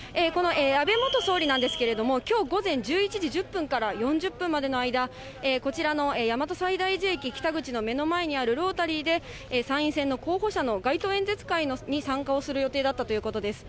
安倍元総理なんですけれども、きょう午前１１時１０分から４０分までの間、こちらの大和西大寺駅北口の目の前にあるロータリーで、参院選の候補者の街頭演説会に参加をする予定だったということです。